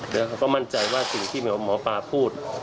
แล้วเขาก็มั่นใจว่าสิ่งที่หมอปลาพูด